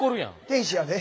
天使やで。